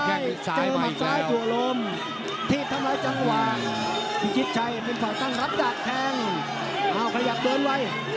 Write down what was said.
แค่คือซ้ายมาอีกแล้ว